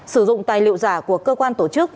sử dụng tài liệu giả của cơ quan tổ chức